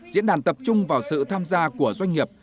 diễn đàn tập trung vào sự tham gia của doanh nghiệp